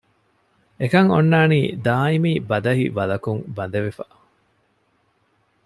އެކަން އޮންނާނީ ދާއިމީ ބަދަހި ވަލަކުން ބަނދެވިފަ